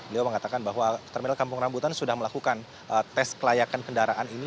beliau mengatakan bahwa terminal kampung rambutan sudah melakukan tes kelayakan kendaraan ini